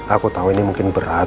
aku tahu ini mungkin berat